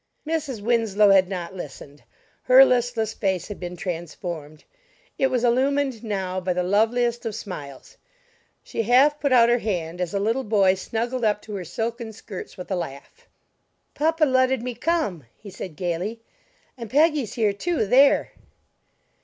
Mrs. Winslow had not listened, her listless face had been transformed; it was illumined now by the loveliest of smiles; she half put out her hand as a little boy snuggled up to her silken skirts, with a laugh. "Papa letted me come," he said gaily, "and Peggy's here, too, there!"